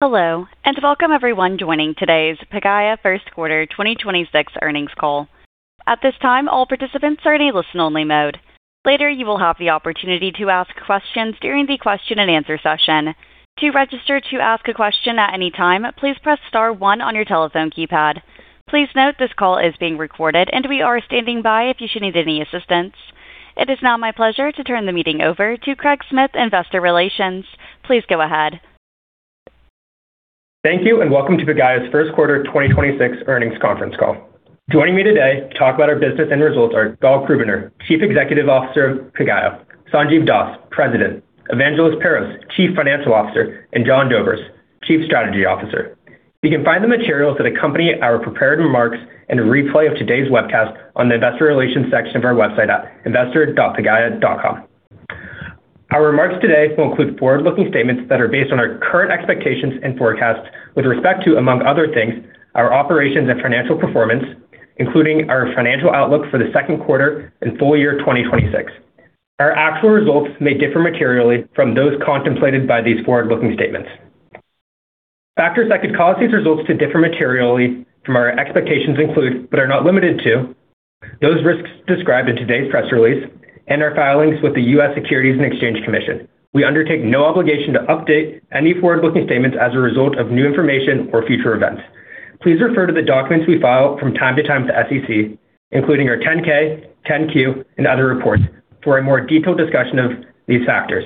Hello, and welcome everyone joining today's Pagaya first quarter 2026 earnings call. At this time, all participants are in a listen-only mode. Later, you will have the opportunity to ask questions during the Q&A session. To register to ask a question at any time, please press star one on your telephone keypad. Please note this call is being recorded, and we are standing by if you should need any assistance. It is now my pleasure to turn the meeting over to Craig Smyth, Investor Relations. Please go ahead. Thank you, and welcome to Pagaya's first quarter 2026 earnings conference call. Joining me today to talk about our business and results are Gal Krubiner, Chief Executive Officer of Pagaya, Sanjiv Das, President, Evangelos Perros, Chief Financial Officer, and Jon Dobres, Chief Strategy Officer. You can find the materials that accompany our prepared remarks and a replay of today's webcast on the Investor Relations section of our website at investor.pagaya.com. Our remarks today will include forward-looking statements that are based on our current expectations and forecasts with respect to, among other things, our operations and financial performance, including our financial outlook for the second quarter and full year 2026. Our actual results may differ materially from those contemplated by these forward-looking statements. Factors that could cause these results to differ materially from our expectations include, but are not limited to, those risks described in today's press release and our filings with the U.S. Securities and Exchange Commission. We undertake no obligation to update any forward-looking statements as a result of new information or future events. Please refer to the documents we file from time to time to SEC, including our 10-K, 10-Q, and other reports for a more detailed discussion of these factors.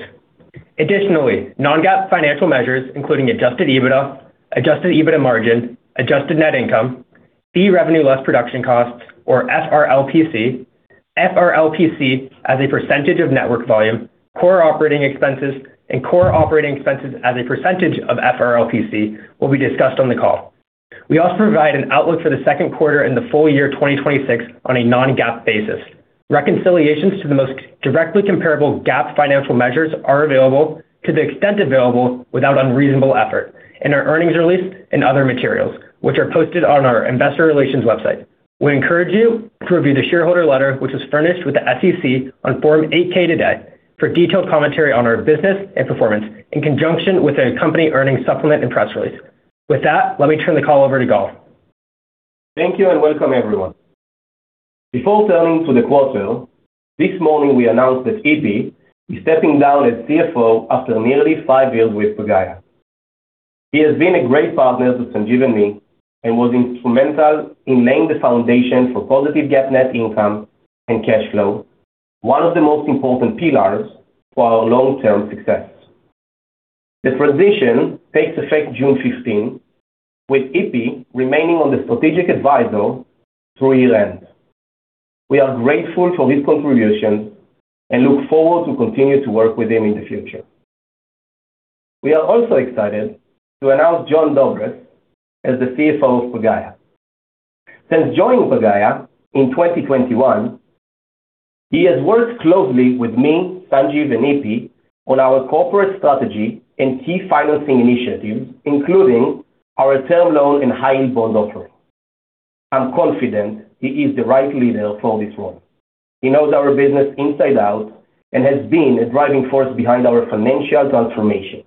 Additionally, non-GAAP financial measures, including adjusted EBITDA, adjusted EBITDA margin, adjusted net income, Fee Revenue Less Production Costs or FRLPC. FRLPC as a percentage of network volume, core operating expenses, and core operating expenses as a percentage of FRLPC will be discussed on the call. We also provide an outlook for the second quarter and the full year 2026 on a non-GAAP basis. Reconciliations to the most directly comparable GAAP financial measures are available to the extent available without unreasonable effort in our earnings release and other materials, which are posted on our investor relations website. We encourage you to review the shareholder letter, which was furnished with the SEC on Form 8-K today for detailed commentary on our business and performance in conjunction with a company earnings supplement and press release. With that, let me turn the call over to Gal. Thank you and welcome everyone. Before turning to the quarter, this morning we announced that EP is stepping down as CFO after nearly five years with Pagaya. He has been a great partner to Sanjiv and me and was instrumental in laying the foundation for positive GAAP net income and cash flow, one of the most important pillars for our long-term success. The transition takes effect June 15, with EP remaining on the strategic advisor through year end. We are grateful for his contribution and look forward to continue to work with him in the future. We are also excited to announce Jon Dobres as the CFO of Pagaya. Since joining Pagaya in 2021, he has worked closely with me, Sanjiv, and EP on our corporate strategy and key financing initiatives, including our term loan and high-yield bond offering. I'm confident he is the right leader for this role. He knows our business inside out and has been a driving force behind our financial transformation.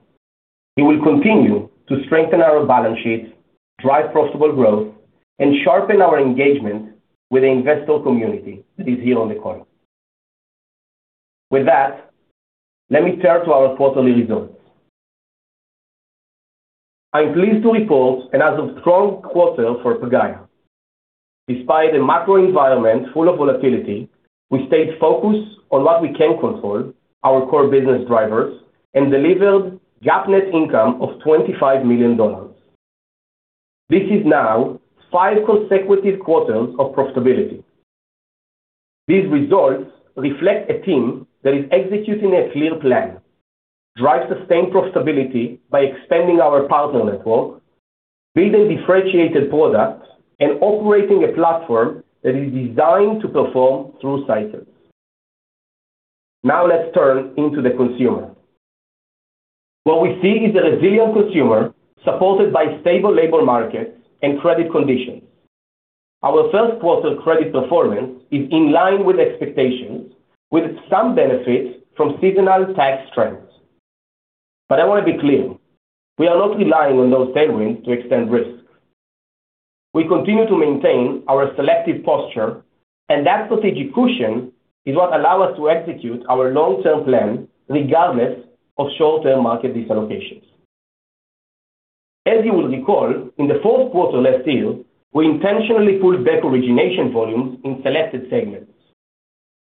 He will continue to strengthen our balance sheets, drive profitable growth, and sharpen our engagement with the investor community that is here on the call. With that, let me turn to our quarterly results. I'm pleased to report another strong quarter for Pagaya. Despite a macro environment full of volatility, we stayed focused on what we can control, our core business drivers, and delivered GAAP net income of $25 million. This is now five consecutive quarters of profitability. These results reflect a team that is executing a clear plan, drive sustained profitability by expanding our partner network, building differentiated products, and operating a platform that is designed to perform through cycles. Now let's turn into the consumer. What we see is a resilient consumer supported by stable labor markets and credit conditions. Our first quarter credit performance is in line with expectations with some benefits from seasonal tax trends. I want to be clear, we are not relying on those tailwinds to extend risk. We continue to maintain our selective posture, and that strategic cushion is what allow us to execute our long-term plan regardless of short-term market dislocations. You will recall, in the fourth quarter last year, we intentionally pulled back origination volumes in selected segments.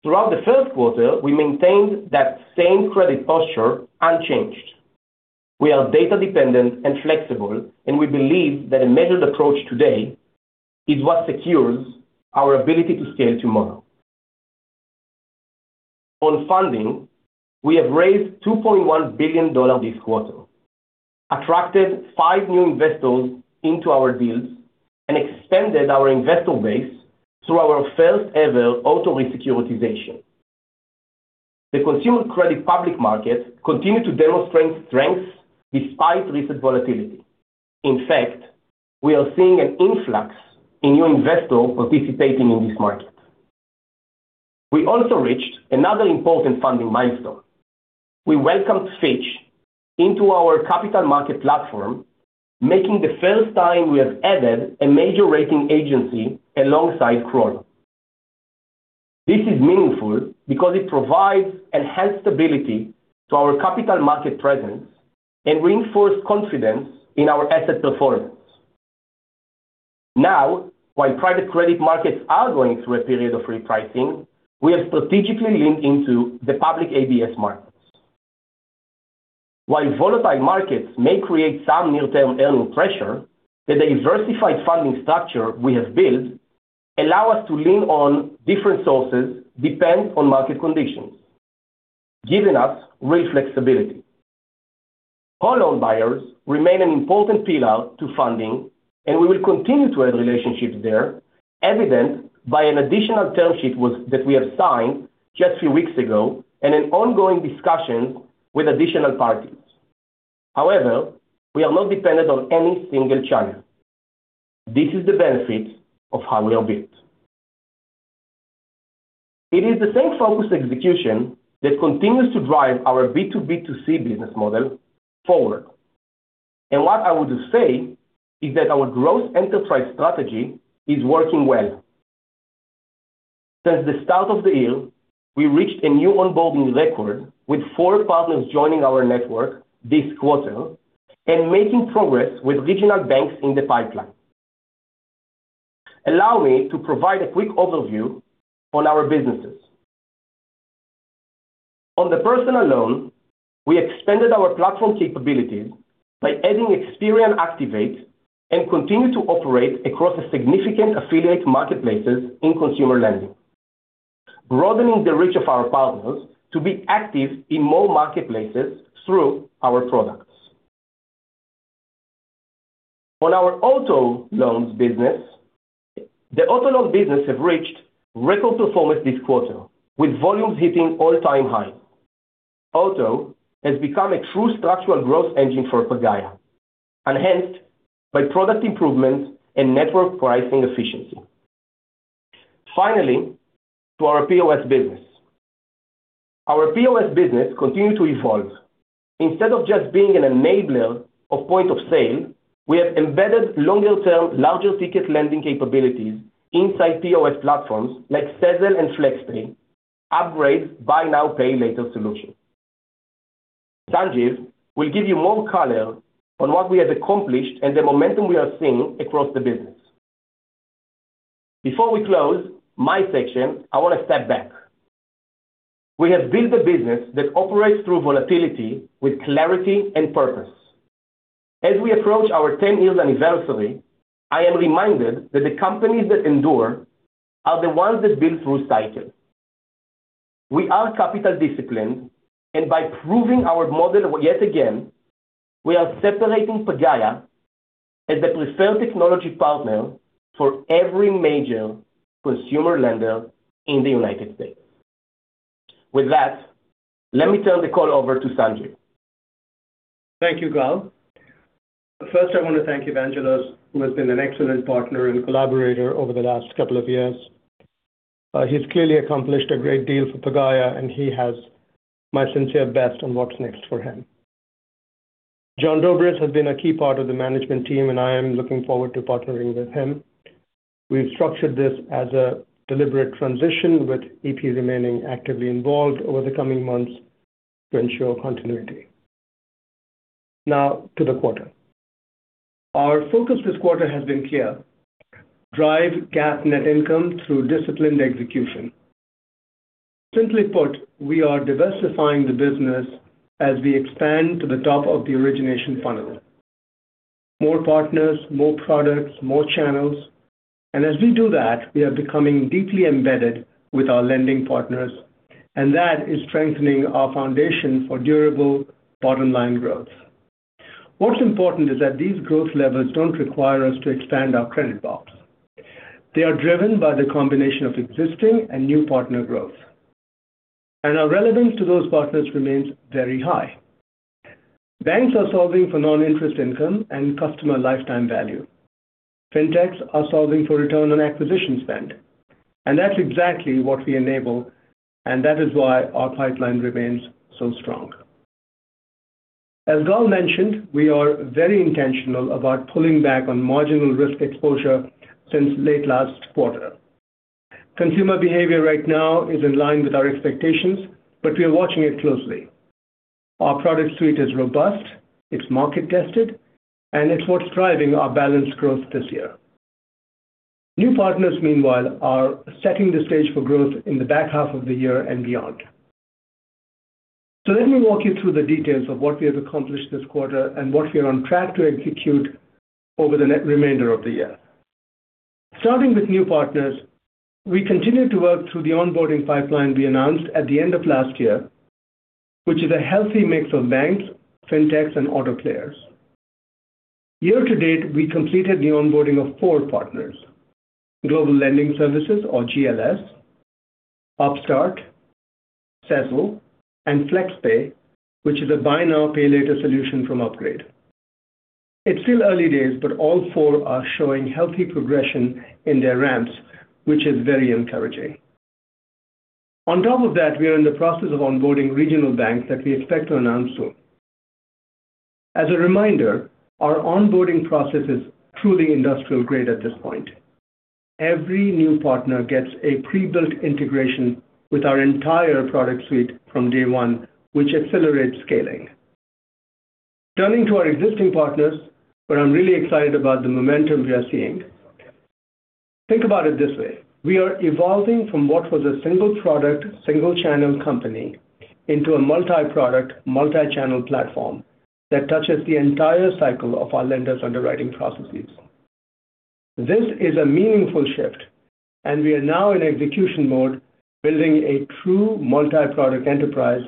Throughout the first quarter, we maintained that same credit posture unchanged. We are data dependent and flexible, and we believe that a measured approach today is what secures our ability to scale tomorrow. On funding, we have raised $2.1 billion this quarter, attracted five new investors into our deals, and expanded our investor base through our first ever auto re-securitization. The consumer credit public market continued to demonstrate strength despite recent volatility. In fact, we are seeing an influx in new investors participating in this market. We also reached another important funding milestone. We welcomed Fitch into our capital market platform, making the first time we have added a major rating agency alongside Kroll. This is meaningful because it provides enhanced stability to our capital market presence and reinforce confidence in our asset performance. Now, while private credit markets are going through a period of repricing, we have strategically leaned into the public ABS markets. While volatile markets may create some near-term earning pressure, the diversified funding structure we have built allow us to lean on different sources, depends on market conditions, giving us real flexibility. Whole loan buyers remain an important pillar to funding, and we will continue to have relationships there, evident by an additional term sheet that we have signed just a few weeks ago and an ongoing discussion with additional parties. However, we are not dependent on any single channel. This is the benefit of how we are built. It is the same focused execution that continues to drive our B2B2C business model forward. What I would say is that our growth enterprise strategy is working well. Since the start of the year, we reached a new onboarding record with four partners joining our network this quarter and making progress with regional banks in the pipeline. Allow me to provide a quick overview on our businesses. On the Personal Loan, we expanded our platform capabilities by adding Experian Activate and continue to operate across significant affiliate marketplaces in consumer lending, broadening the reach of our partners to be active in more marketplaces through our products. On our Auto Loans business, the Auto Loan business have reached record performance this quarter, with volumes hitting all-time high. Auto has become a true structural growth engine for Pagaya, enhanced by product improvements and network pricing efficiency. Finally, to our POS business. Our POS business continue to evolve. Instead of just being an enabler of point-of-sale, we have embedded longer-term, larger-ticket lending capabilities inside POS platforms like Sezzle and Flex Pay, Upgrade buy now, pay later solutions. Sanjiv will give you more color on what we have accomplished and the momentum we are seeing across the business. Before we close my section, I want to step back. We have built a business that operates through volatility with clarity and purpose. As we approach our 10-year anniversary, I am reminded that the companies that endure are the ones that build through cycles. We are capital disciplined, and by proving our model yet again, we are separating Pagaya as the preferred technology partner for every major consumer lender in the United States. With that, let me turn the call over to Sanjiv. Thank you, Gal. First, I want to thank Evangelos, who has been an excellent partner and collaborator over the last couple of years. He's clearly accomplished a great deal for Pagaya, and he has my sincere best on what's next for him. Jon Dobres has been a key part of the management team, and I am looking forward to partnering with him. We've structured this as a deliberate transition, with EP remaining actively involved over the coming months to ensure continuity. Now to the quarter. Our focus this quarter has been clear: drive GAAP net income through disciplined execution. Simply put, we are diversifying the business as we expand to the top of the origination funnel. More partners, more products, more channels. As we do that, we are becoming deeply embedded with our lending partners, and that is strengthening our foundation for durable bottom-line growth. What's important is that these growth levers don't require us to expand our credit box. They are driven by the combination of existing and new partner growth. Our relevance to those partners remains very high. Banks are solving for non-interest income and customer lifetime value. Fintechs are solving for return on acquisition spend. That's exactly what we enable, and that is why our pipeline remains so strong. As Gal mentioned, we are very intentional about pulling back on marginal risk exposure since late last quarter. Consumer behavior right now is in line with our expectations, but we are watching it closely. Our product suite is robust, it's market-tested, and it's what's driving our balanced growth this year. New partners, meanwhile, are setting the stage for growth in the back half of the year and beyond. Let me walk you through the details of what we have accomplished this quarter and what we are on track to execute over the net remainder of the year. Starting with new partners, we continue to work through the onboarding pipeline we announced at the end of last year, which is a healthy mix of banks, fintechs, and auto players. Year-to-date, we completed the onboarding of four partners: Global Lending Services, or GLS, Upstart, Sezzle, and Flex Pay, which is a buy now, pay later solution from Upgrade. It's still early days, but all four are showing healthy progression in their ramps, which is very encouraging. On top of that, we are in the process of onboarding regional banks that we expect to announce soon. As a reminder, our onboarding process is truly industrial-grade at this point. Every new partner gets a pre-built integration with our entire product suite from day one, which accelerates scaling. Turning to our existing partners, I'm really excited about the momentum we are seeing. Think about it this way. We are evolving from what was a single product, single channel company into a multi-product, multi-channel platform that touches the entire cycle of our lenders' underwriting processes. This is a meaningful shift, and we are now in execution mode, building a true multi-product enterprise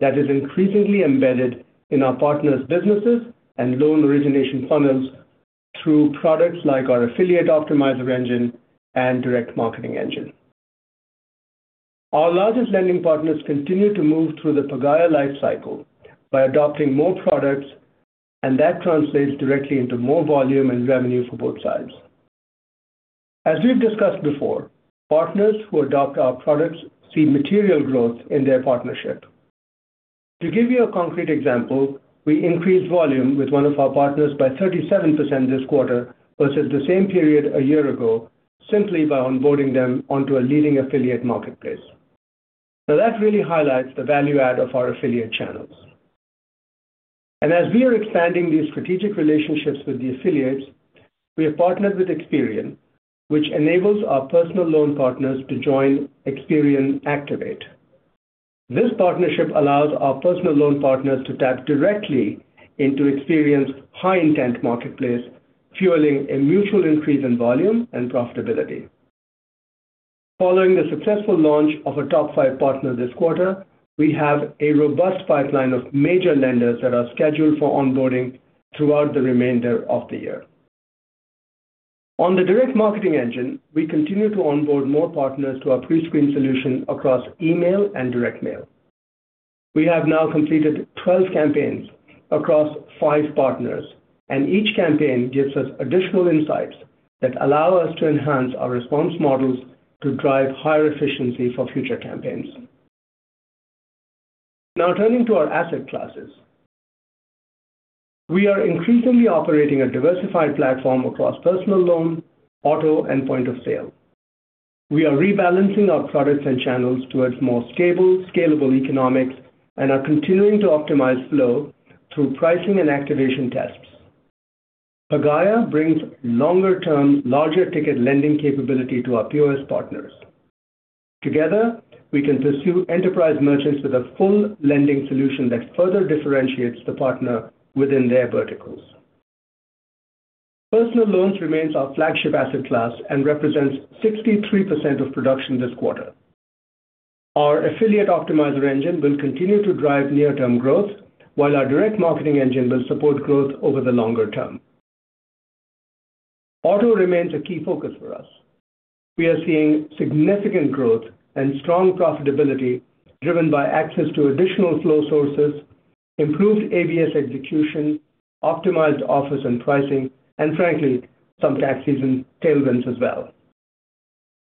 that is increasingly embedded in our partners' businesses and loan origination funnels through products like our Affiliate Optimizer Engine and Direct Marketing Engine. Our largest lending partners continue to move through the Pagaya life cycle by adopting more products, and that translates directly into more volume and revenue for both sides. As we've discussed before, partners who adopt our products see material growth in their partnership. To give you a concrete example, we increased volume with one of our partners by 37% this quarter versus the same period a year ago simply by onboarding them onto a leading affiliate marketplace. That really highlights the value add of our affiliate channels. As we are expanding these strategic relationships with the affiliates, we have partnered with Experian, which enables our personal loan partners to join Experian Activate. This partnership allows our personal loan partners to tap directly into Experian's high-intent marketplace, fueling a mutual increase in volume and profitability. Following the successful launch of a Top 5 partner this quarter, we have a robust pipeline of major lenders that are scheduled for onboarding throughout the remainder of the year. On the Direct Marketing Engine, we continue to onboard more partners to our pre-screen solution across email and direct mail. We have now completed 12 campaigns across five partners, and each campaign gives us additional insights that allow us to enhance our response models to drive higher efficiency for future campaigns. Now turning to our asset classes. We are increasingly operating a diversified platform across personal loan, auto, and point-of-sale. We are rebalancing our products and channels towards more stable, scalable economics and are continuing to optimize flow through pricing and activation tests. Pagaya brings longer-term, larger-ticket lending capability to our POS partners. Together, we can pursue enterprise merchants with a full lending solution that further differentiates the partner within their verticals. Personal Loans remains our flagship asset class and represents 63% of production this quarter. Our Affiliate Optimizer Engine will continue to drive near-term growth, while our Direct Marketing Engine will support growth over the longer term. Auto remains a key focus for us. We are seeing significant growth and strong profitability driven by access to additional flow sources, improved ABS execution, optimized offers and pricing, and frankly, some tax season tailwinds as well.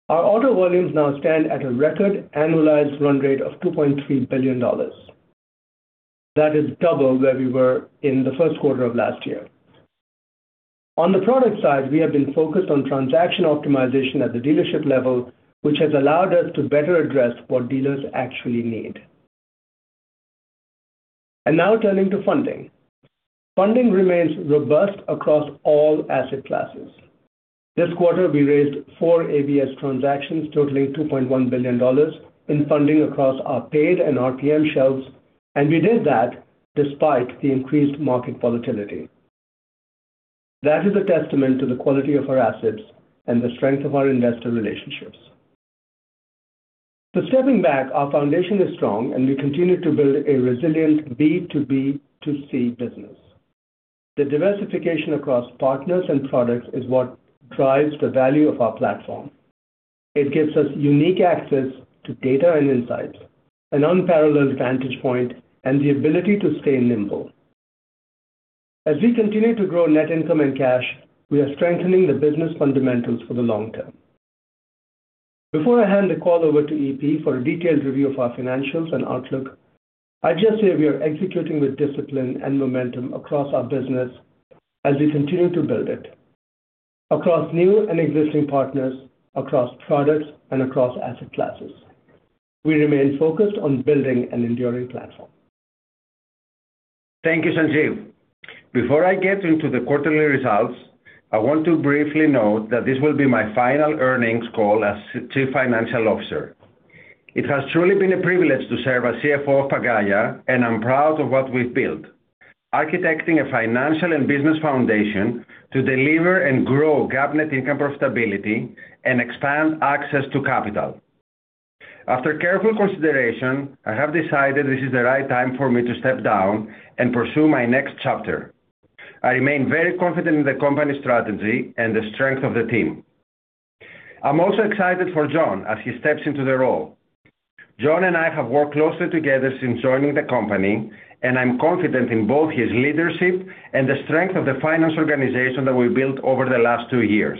Our Auto volumes now stand at a record annualized run rate of $2.3 billion. That is double where we were in the first quarter of last year. On the product side, we have been focused on transaction optimization at the dealership level, which has allowed us to better address what dealers actually need. Now turning to funding. Funding remains robust across all asset classes. This quarter, we raised four ABS transactions totaling $2.1 billion in funding across our PAID and RPM shelves, and we did that despite the increased market volatility. That is a testament to the quality of our assets and the strength of our investor relationships. Stepping back, our foundation is strong, and we continue to build a resilient B2B2C business. The diversification across partners and products is what drives the value of our platform. It gives us unique access to data and insights, an unparalleled vantage point, and the ability to stay nimble. As we continue to grow net income and cash, we are strengthening the business fundamentals for the long term. Before I hand the call over to EP for a detailed review of our financials and outlook, I'd just say we are executing with discipline and momentum across our business as we continue to build it. Across new and existing partners, across products, and across asset classes, we remain focused on building an enduring platform. Thank you, Sanjiv. Before I get into the quarterly results, I want to briefly note that this will be my final earnings call as Chief Financial Officer. It has truly been a privilege to serve as CFO of Pagaya, and I'm proud of what we've built, architecting a financial and business foundation to deliver and grow GAAP net income profitability and expand access to capital. After careful consideration, I have decided this is the right time for me to step down and pursue my next chapter. I remain very confident in the company's strategy and the strength of the team. I'm also excited for Jon as he steps into the role. Jon and I have worked closely together since joining the company, and I'm confident in both his leadership and the strength of the finance organization that we built over the last two years.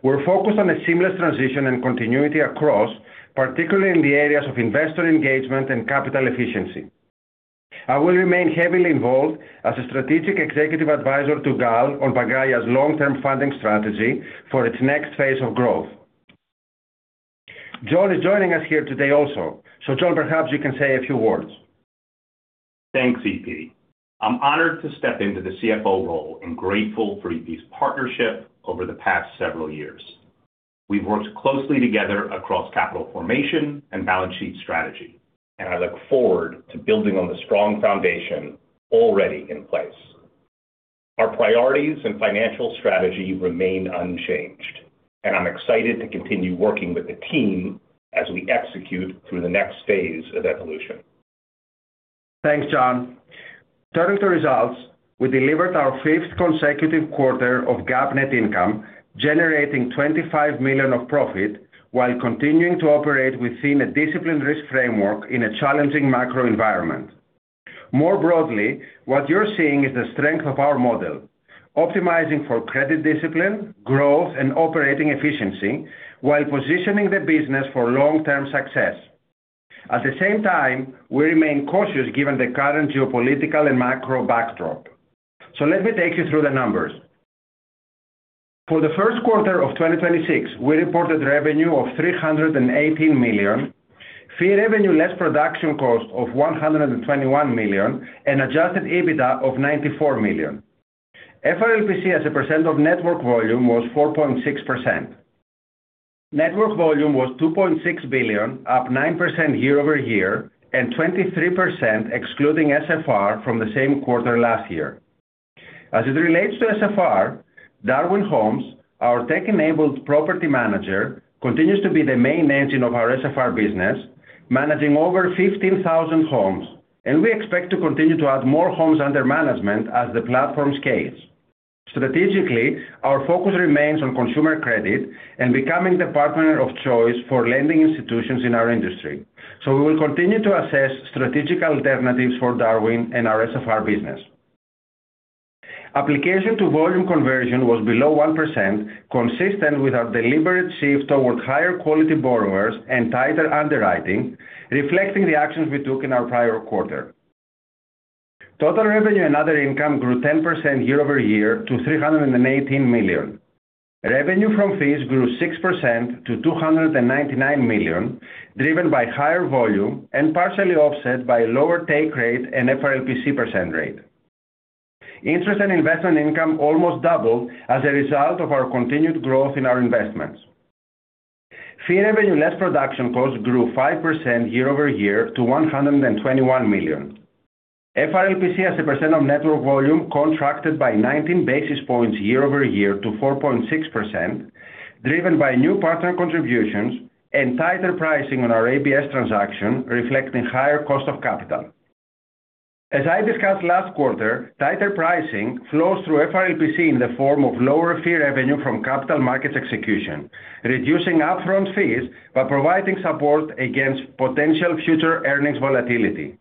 We're focused on a seamless transition and continuity across, particularly in the areas of investor engagement and capital efficiency. I will remain heavily involved as a strategic executive advisor to Gal on Pagaya's long-term funding strategy for its next phase of growth. Jon is joining us here today also. Jon, perhaps you can say a few words. Thanks, EP. I'm honored to step into the CFO role and grateful for EP's partnership over the past several years. We've worked closely together across capital formation and balance sheet strategy, and I look forward to building on the strong foundation already in place. Our priorities and financial strategy remain unchanged, and I'm excited to continue working with the team as we execute through the next stage of evolution. Thanks, Jon. Turning to results, we delivered our fifth consecutive quarter of GAAP net income, generating $25 million of profit while continuing to operate within a disciplined risk framework in a challenging macro environment. More broadly, what you're seeing is the strength of our model, optimizing for credit discipline, growth, and operating efficiency while positioning the business for long-term success. At the same time, we remain cautious given the current geopolitical and macro backdrop. Let me take you through the numbers. For the first quarter of 2026, we reported revenue of $318 million, fee revenue less production cost of $121 million, and adjusted EBITDA of $94 million. FRLPC as a percent of network volume was 4.6%. Network volume was $2.6 billion, up 9% year-over-year, and 23% excluding SFR from the same quarter last year. As it relates to SFR, Darwin Homes, our tech-enabled property manager, continues to be the main engine of our SFR business, managing over 15,000 homes, and we expect to continue to add more homes under management as the platform scales. Strategically, our focus remains on consumer credit and becoming the partner of choice for lending institutions in our industry. We will continue to assess strategic alternatives for Darwin and our SFR business. Application to volume conversion was below 1%, consistent with our deliberate shift toward higher quality borrowers and tighter underwriting, reflecting the actions we took in our prior quarter. Total revenue and other income grew 10% year-over-year to $318 million. Revenue from fees grew 6% to $299 million, driven by higher volume and partially offset by lower take rate and FRLPC percent rate. Interest and investment income almost doubled as a result of our continued growth in our investments. Fee revenue less production cost grew 5% year-over-year to $121 million. FRLPC as a percent of network volume contracted by 19 basis points year-over-year to 4.6%, driven by new partner contributions and tighter pricing on our ABS transaction, reflecting higher cost of capital. As I discussed last quarter, tighter pricing flows through FRLPC in the form of lower fee revenue from capital markets execution, reducing upfront fees by providing support against potential future earnings volatility.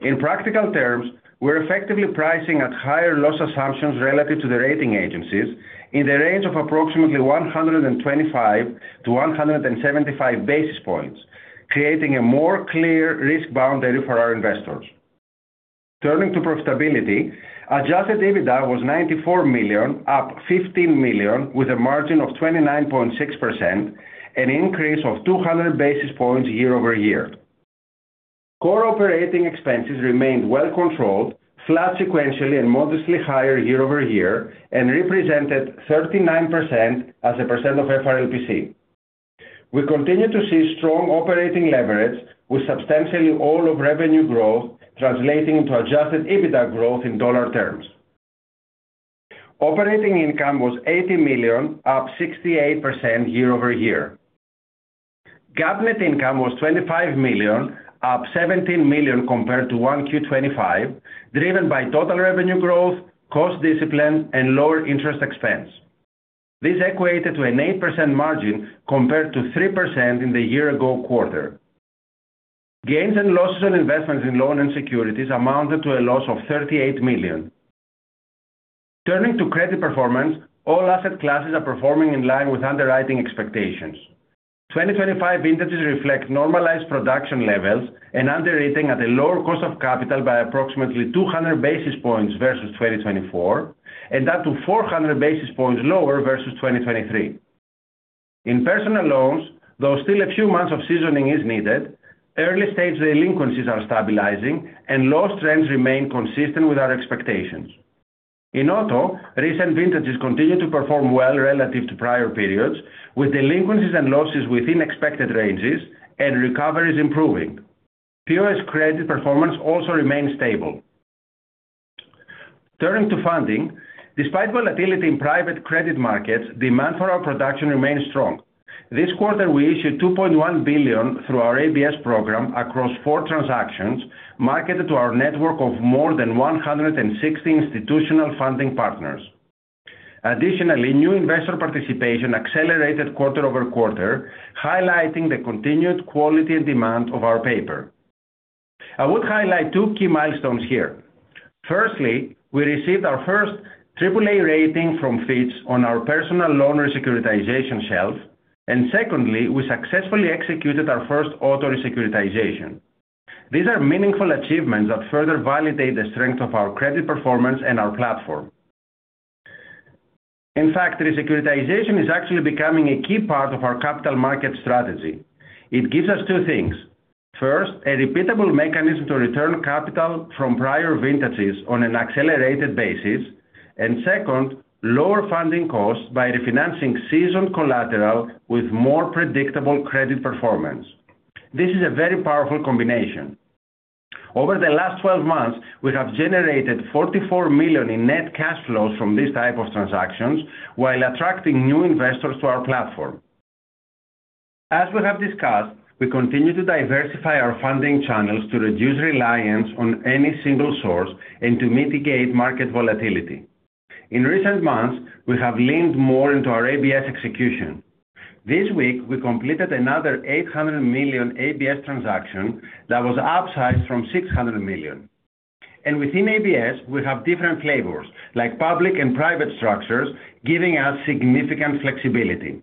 In practical terms, we're effectively pricing at higher loss assumptions relative to the rating agencies in the range of approximately 125-175 basis points, creating a more clear risk boundary for our investors. Turning to profitability, adjusted EBITDA was $94 million, up $15 million, with a margin of 29.6%, an increase of 200 basis points year-over-year. Core operating expenses remained well controlled, flat sequentially and modestly higher year-over-year, and represented 39% as a percent of FRLPC. We continue to see strong operating leverage with substantially all of revenue growth translating into adjusted EBITDA growth in dollar terms. Operating income was $80 million, up 68% year-over-year. GAAP net income was $25 million, up $17 million compared to 1Q 2025, driven by total revenue growth, cost discipline, and lower interest expense. This equated to an 8% margin compared to 3% in the year-ago quarter. Gains and losses on investments in loan and securities amounted to a loss of $38 million. Turning to credit performance, all asset classes are performing in line with underwriting expectations. 2025 vintages reflect normalized production levels and underwriting at a lower cost of capital by approximately 200 basis points versus 2024, and up to 400 basis points lower versus 2023. In Personal Loans, though still a few months of seasoning is needed, early-stage delinquencies are stabilizing and loss trends remain consistent with our expectations. In Auto, recent vintages continue to perform well relative to prior periods, with delinquencies and losses within expected ranges and recoveries improving. POS credit performance also remains stable. Turning to funding, despite volatility in private credit markets, demand for our production remains strong. This quarter, we issued $2.1 billion through our ABS program across four transactions marketed to our network of more than 160 institutional funding partners. Additionally, new investor participation accelerated quarter-over-quarter, highlighting the continued quality and demand of our paper. I would highlight two key milestones here. Firstly, we received our first AAA rating from Fitch on our personal loan re-securitization shelf. Secondly, we successfully executed our first auto re-securitization. These are meaningful achievements that further validate the strength of our credit performance and our platform. In fact, re-securitization is actually becoming a key part of our capital market strategy. It gives us two things. First, a repeatable mechanism to return capital from prior vintages on an accelerated basis. Second, lower funding costs by refinancing seasoned collateral with more predictable credit performance. This is a very powerful combination. Over the last 12 months, we have generated $44 million in net cash flows from these type of transactions while attracting new investors to our platform. As we have discussed, we continue to diversify our funding channels to reduce reliance on any single source and to mitigate market volatility. In recent months, we have leaned more into our ABS execution. This week, we completed another $800 million ABS transaction that was upsized from $600 million. Within ABS, we have different flavors, like public and private structures, giving us significant flexibility.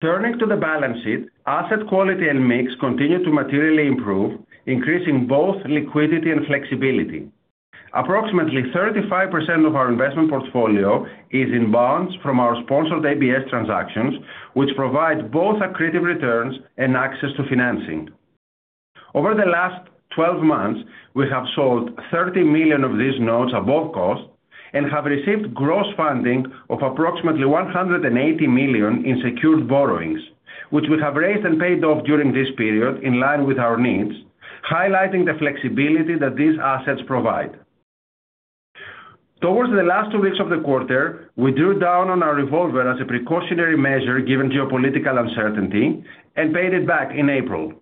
Turning to the balance sheet, asset quality and mix continue to materially improve, increasing both liquidity and flexibility. Approximately 35% of our investment portfolio is in bonds from our sponsored ABS transactions, which provide both accretive returns and access to financing. Over the last 12 months, we have sold $30 million of these notes above cost and have received gross funding of approximately $180 million in secured borrowings, which we have raised and paid off during this period in line with our needs, highlighting the flexibility that these assets provide. Towards the last two weeks of the quarter, we drew down on our revolver as a precautionary measure given geopolitical uncertainty and paid it back in April.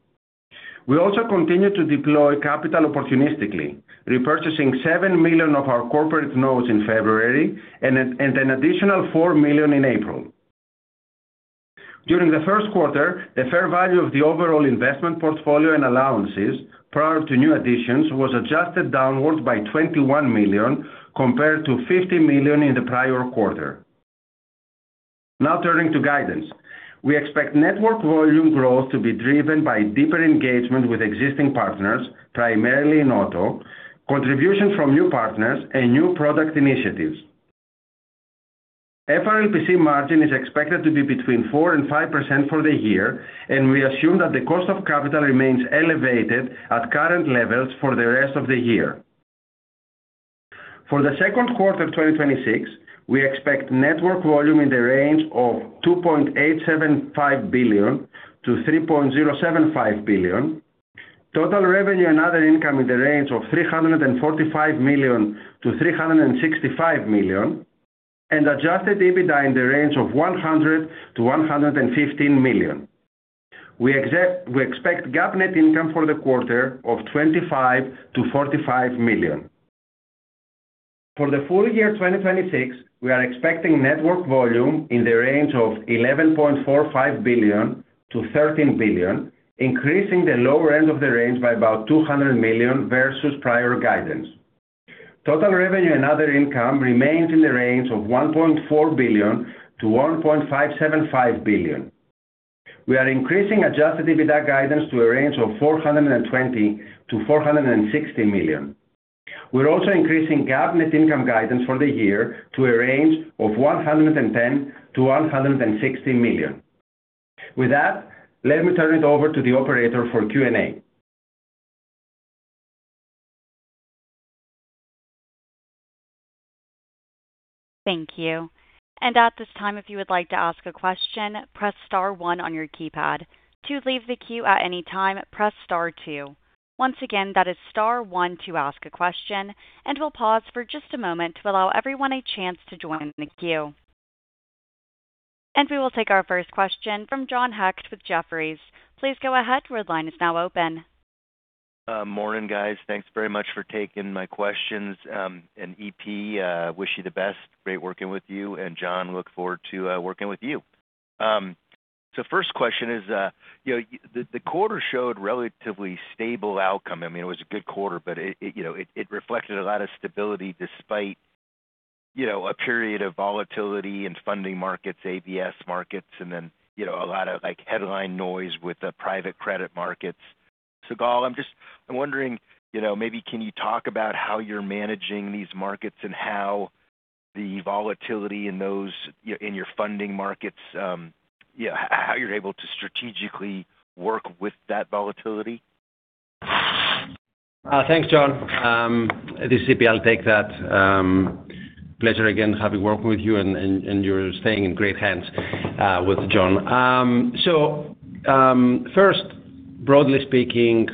We also continued to deploy capital opportunistically, repurchasing $7 million of our corporate notes in February and an additional $4 million in April. During the first quarter, the fair value of the overall investment portfolio and allowances prior to new additions was adjusted downwards by $21 million compared to $50 million in the prior quarter. Turning to guidance. We expect network volume growth to be driven by deeper engagement with existing partners, primarily in auto, contributions from new partners and new product initiatives. FRLPC margin is expected to be between 4% and 5% for the year, we assume that the cost of capital remains elevated at current levels for the rest of the year. For the second quarter of 2026, we expect network volume in the range of $2.875 billion-$3.075 billion, total revenue and other income in the range of $345 million-$365 million, and adjusted EBITDA in the range of $100 million-$115 million. We expect GAAP net income for the quarter of $25 million-$45 million. For the full year 2026, we are expecting network volume in the range of $11.45 billion-$13 billion, increasing the lower end of the range by about $200 million versus prior guidance. Total revenue and other income remains in the range of $1.4 billion-$1.575 billion. We are increasing adjusted EBITDA guidance to a range of $420 million-$460 million. We're also increasing GAAP net income guidance for the year to a range of $110 million-$160 million. With that, let me turn it over to the operator for Q&A. Thank you. At this time, if you would like to ask a question, press star one on your keypad. To leave the queue at any time, press star two. Once again, that is star one to ask a question. We'll pause for just a moment to allow everyone a chance to join the queue. We will take our first question from John Hecht with Jefferies. Please go ahead. Your line is now open. Morning, guys. Thanks very much for taking my questions. EP, wish you the best. Great working with you. Jon, look forward to working with you. First question is, you know, the quarter showed relatively stable outcome. I mean, it was a good quarter, but it, you know, it reflected a lot of stability despite, you know, a period of volatility in funding markets, ABS markets, and then, you know, a lot of like headline noise with the private credit markets. Gal, I'm wondering, you know, maybe can you talk about how you're managing these markets and how the volatility in those, in your funding markets, how you're able to strategically work with that volatility? Thanks, John. This is EP. I'll take that. Pleasure again having worked with you and you're staying in great hands with Jon. First, broadly speaking,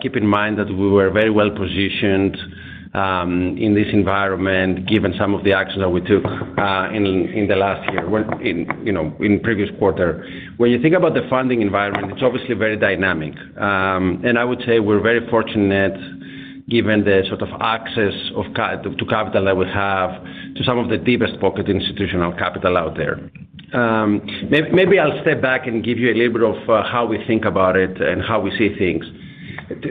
keep in mind that we were very well positioned in this environment given some of the actions that we took in the last year when in, you know, in previous quarter. When you think about the funding environment, it's obviously very dynamic. I would say we're very fortunate Given the sort of access to capital that we have to some of the deepest pocket institutional capital out there. Maybe I'll step back and give you a labor of how we think about it and how we see things.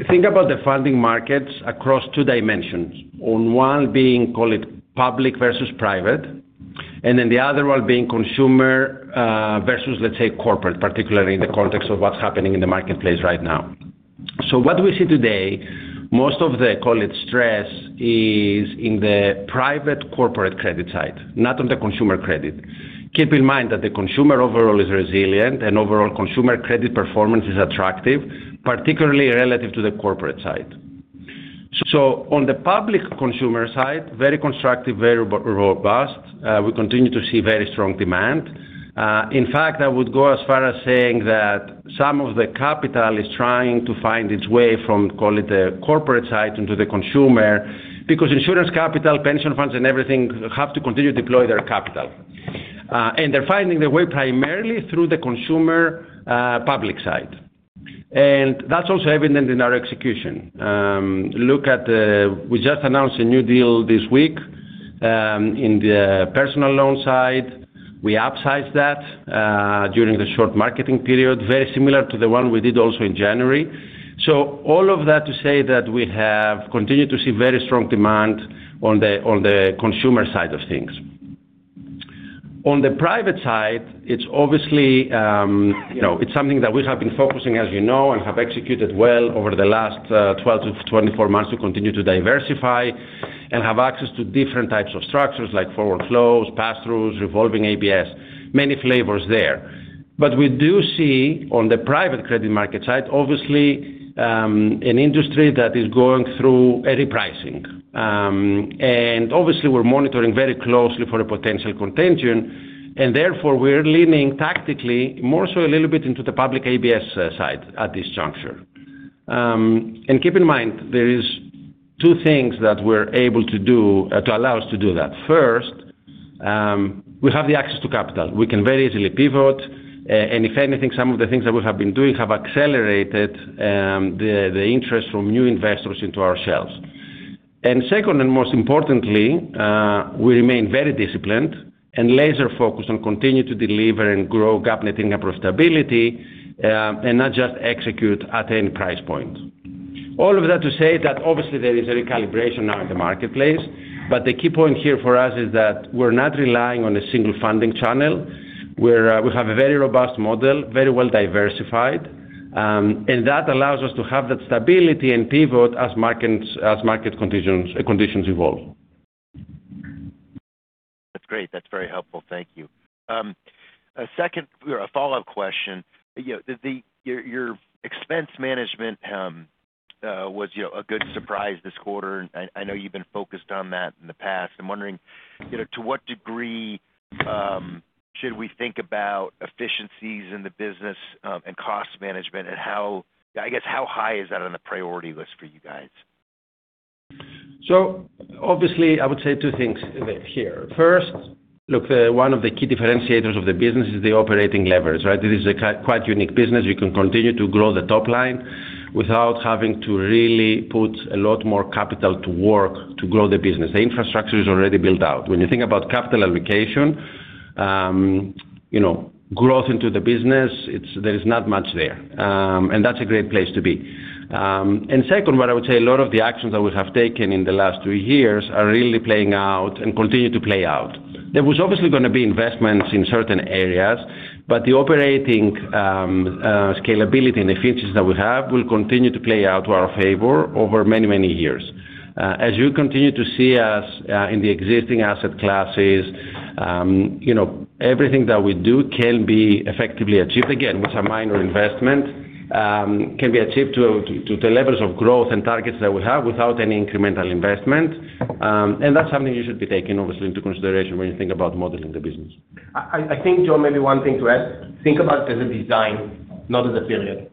Think about the funding markets across two dimensions. On one being, call it public versus private, and then the other one being consumer versus, let's say, corporate, particularly in the context of what's happening in the marketplace right now. What we see today, most of the, call it, stress, is in the private corporate credit side, not on the consumer credit. Keep in mind that the consumer overall is resilient, and overall consumer credit performance is attractive, particularly relative to the corporate side. On the public consumer side, very constructive, very robust. We continue to see very strong demand. In fact, I would go as far as saying that some of the capital is trying to find its way from, call it, the corporate side into the consumer because insurance capital, pension funds, and everything have to continue to deploy their capital. They're finding their way primarily through the consumer, public side. That's also evident in our execution. We just announced a new deal this week, in the personal loan side. We upsized that, during the short marketing period, very similar to the one we did also in January. All of that to say that we have continued to see very strong demand on the consumer side of things. On the private side, it's obviously, you know, it's something that we have been focusing, as you know, and have executed well over the last 12 to 24 months to continue to diversify and have access to different types of structures like forward flows, pass-throughs, revolving ABS. Many flavors there. We do see on the private credit market side, obviously, an industry that is going through a repricing. Obviously, we're monitoring very closely for a potential contagion, and therefore, we're leaning tactically more so a little bit into the public ABS side at this juncture. Keep in mind, there is two things that we're able to do to allow us to do that. First, we have the access to capital. We can very easily pivot. If anything, some of the things that we have been doing have accelerated the interest from new investors into ourselves. Second, and most importantly, we remain very disciplined and laser-focused on continuing to deliver and grow GAAP net income profitability and not just execute at any price point. All of that to say that obviously there is a recalibration now in the marketplace, but the key point here for us is that we're not relying on a single funding channel, we have a very robust model, very well diversified, and that allows us to have that stability and pivot as market conditions evolve. That's great. That's very helpful. Thank you. A second, a follow-up question. Your expense management was a good surprise this quarter. I know you've been focused on that in the past. I'm wondering, you know, to what degree should we think about efficiencies in the business and cost management, and how, I guess, how high is that on the priority list for you guys? Obviously, I would say two things here. First, look, one of the key differentiators of the business is the operating leverage, right? This is a quite unique business. We can continue to grow the top line without having to really put a lot more capital to work to grow the business. The infrastructure is already built out. When you think about capital allocation, you know, growth into the business, there is not much there. That's a great place to be. Second, what I would say, a lot of the actions that we have taken in the last three years are really playing out and continue to play out. There was obviously gonna be investments in certain areas, but the operating scalability and the features that we have will continue to play out to our favor over many, many years. As you continue to see us, in the existing asset classes, you know, everything that we do can be effectively achieved, again, with a minor investment, can be achieved to the levels of growth and targets that we have without any incremental investment. That's something you should be taking, obviously, into consideration when you think about modeling the business. I think, John, maybe one thing to add, think about as a design, not as a period.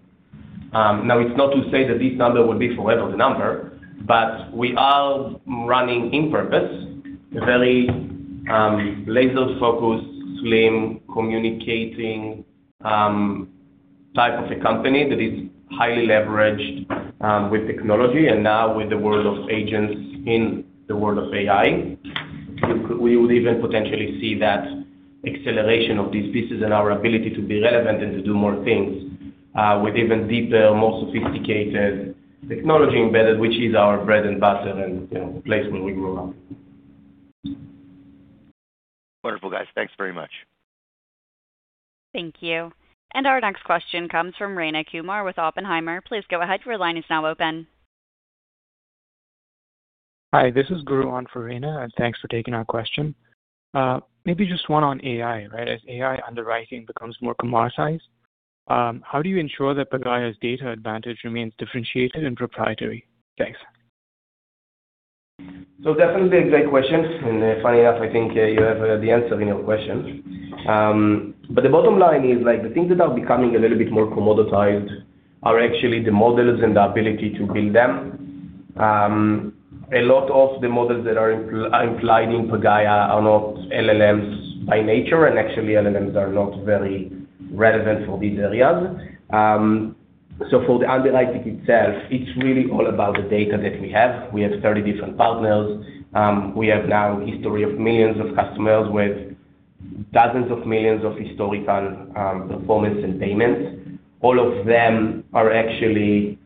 Now, it's not to say that this number will be forever the number, but we are running in purpose, a very laser-focused, slim, communicating type of a company that is highly leveraged with technology and now with the world of agents in the world of AI. We would even potentially see that acceleration of these pieces and our ability to be relevant and to do more things with even deeper, more sophisticated technology embedded, which is our bread and butter and, you know, place where we grew up. Wonderful, guys. Thanks very much. Thank you. Our next question comes from Rayna Kumar with Oppenheimer. Please go ahead. Your line is now open. Hi, this is Guru on for Rayna, thanks for taking our question. Maybe just one on AI, right? As AI underwriting becomes more commoditized, how do you ensure that Pagaya's data advantage remains differentiated and proprietary? Thanks. Definitely a great question. Funny enough, I think you have the answer in your question. The bottom line is, like, the things that are becoming a little bit more commoditized are actually the models and the ability to build them. A lot of the models that are implied in Pagaya are not LLMs by nature, and actually LLMs are not very relevant for these areas. For the underwriting itself, it's really all about the data that we have. We have 30 different partners. We have now history of millions of customers with dozens of millions of historical performance and payments. All of them are actually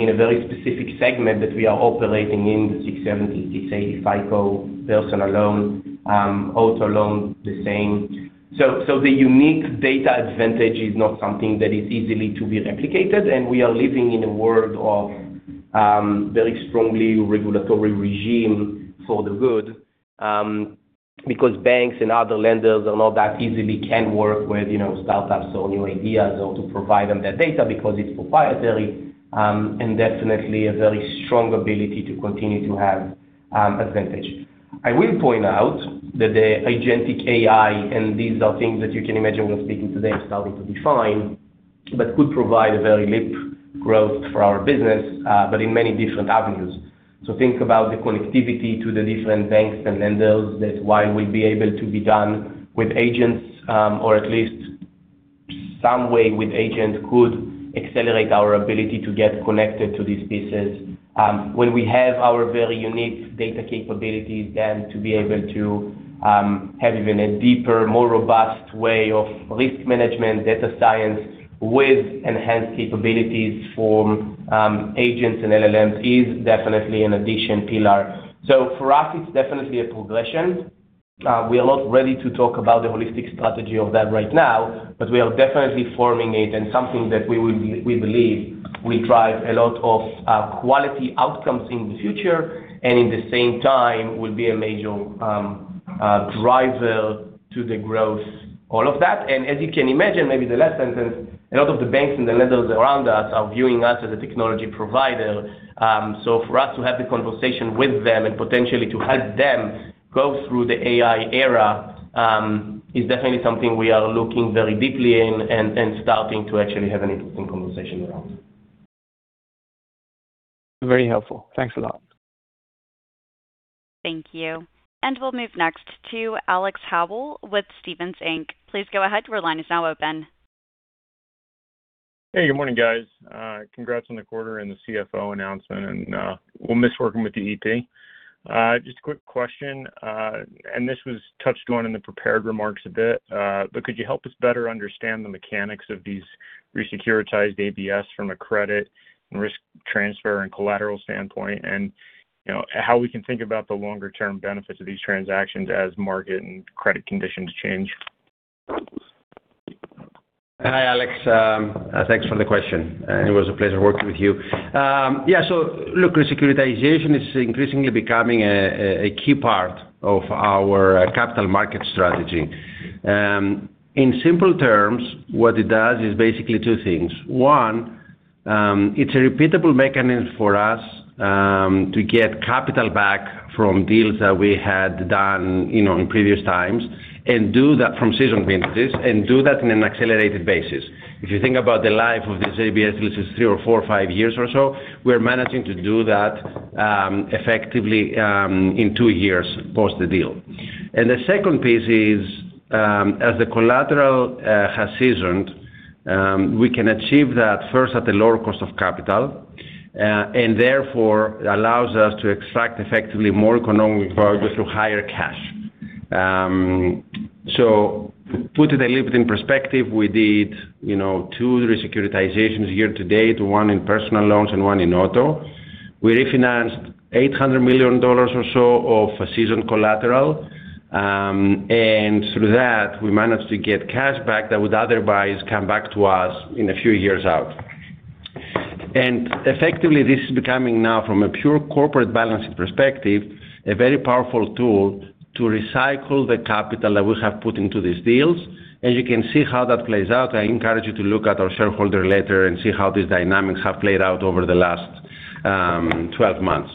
in a very specific segment that we are operating in, the 670-680 FICO, personal loan, auto loan, the same. The unique data advantage is not something that is easily to be replicated, and we are living in a world of very strongly regulatory regime for the good, because banks and other lenders are not that easily can work with, you know, startups or new ideas or to provide them their data because it's proprietary, and definitely a very strong ability to continue to have advantage. I will point out that the agentic AI, and these are things that you can imagine we're speaking today are starting to define, but could provide a very leap growth for our business, in many different avenues. Think about the connectivity to the different banks and lenders. That's why we'd be able to be done with agents, or at least some way with agents could accelerate our ability to get connected to these pieces. When we have our very unique data capabilities, then to be able to have even a deeper, more robust way of risk management, data science with enhanced capabilities for agents and LLMs is definitely an addition pillar. For us, it's definitely a progression. We are not ready to talk about the holistic strategy of that right now, but we are definitely forming it and something that we believe will drive a lot of quality outcomes in the future, and in the same time will be a major driver to the growth, all of that. As you can imagine, maybe the last sentence, a lot of the banks and the lenders around us are viewing us as a technology provider. So for us to have the conversation with them and potentially to help them go through the AI era, is definitely something we are looking very deeply in and starting to actually have an interesting conversation around. Very helpful. Thanks a lot. Thank you. We'll move next to Alex Howell with Stephens Inc Please go ahead. Your line is now open. Good morning, guys. Congrats on the quarter and the CFO announcement, we'll miss working with you, EP. Just a quick question, this was touched on in the prepared remarks a bit, could you help us better understand the mechanics of these re-securitized ABS from a credit and risk transfer and collateral standpoint? You know, how we can think about the longer term benefits of these transactions as market and credit conditions change? Hi, Alex. thanks for the question. It was a pleasure working with you. Yeah. Look, re-securitization is increasingly becoming a key part of our capital market strategy. In simple terms, what it does is basically two things. One, it's a repeatable mechanism for us to get capital back from deals that we had done, you know, in previous times and do that from seasoned entities and do that in an accelerated basis. If you think about the life of this ABS, which is three or four or five years or so, we're managing to do that, effectively, in two years post the deal. The second piece is, as the collateral has seasoned, we can achieve that first at a lower cost of capital, and therefore allows us to extract effectively more economic value through higher cash. Put it a little bit in perspective. We did, you know, two re-securitizations year-to-date, one in personal loans and one in auto. We refinanced $800 million or so of seasoned collateral, and through that, we managed to get cash back that would otherwise come back to us in a few years out. Effectively, this is becoming now from a pure corporate balancing perspective, a very powerful tool to recycle the capital that we have put into these deals. As you can see how that plays out, I encourage you to look at our shareholder letter and see how these dynamics have played out over the last 12 months.